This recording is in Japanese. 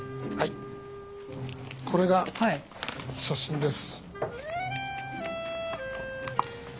これが写真です。